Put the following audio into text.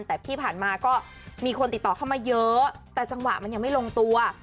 แต่ที่ผ่านมาก็มีคนติดต่อเข้ามาเยอะแต่จังหวะมันยังไม่ลงตัว